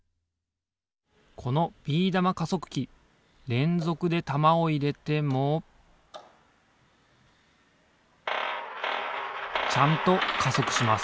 このビー玉加速器れんぞくで玉をいれてもちゃんと加速します